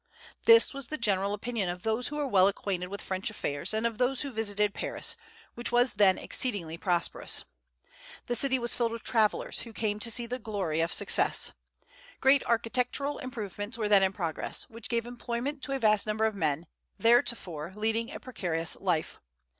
This was the general opinion of those who were well acquainted with French affairs, and of those who visited Paris, which was then exceedingly prosperous. The city was filled with travellers, who came to see the glory of success. Great architectural improvements were then in progress, which gave employment to a vast number of men theretofore leading a precarious life.